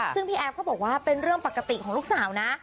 ซึ่งพี่แอฟก็บอกว่าเป็นเรื่องปกติของลูกสาวนะ